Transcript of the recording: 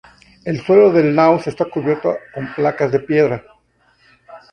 El suelo del naos está cubierto con placas de piedra.